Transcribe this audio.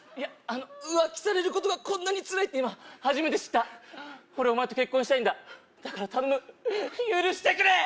浮気されることがこんなにつらいって今初めて知った俺お前と結婚したいんだだから頼む許してくれ！